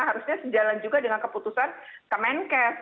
harusnya sejalan juga dengan keputusan kemenkes